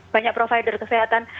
banyak provider kesehatan